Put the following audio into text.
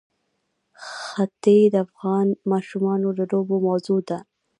ښتې د افغان ماشومانو د لوبو موضوع ده.